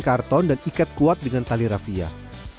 karton dan ikat kuat dengan tali rafiqah